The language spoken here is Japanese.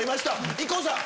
ＩＫＫＯさん